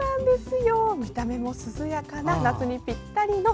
見た目も涼やかな夏にぴったりの